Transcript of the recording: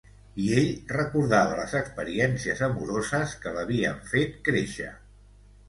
I ell recordava les experiències amoroses que l'havien fet créixer.